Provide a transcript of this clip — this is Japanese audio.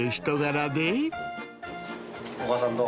お母さん、どう？